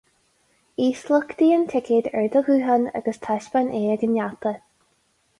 Íosluchtaigh an ticéad ar do ghuthán agus taispeáin é ag an ngeata